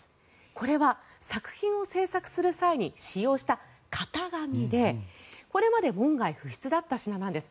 これは作品を制作する際に使用した型紙でこれまで門外不出だった品なんです。